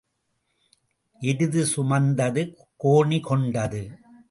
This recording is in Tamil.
எருது சுமந்தது கோணி கொண்டது.